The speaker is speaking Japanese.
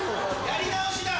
やり直しだ！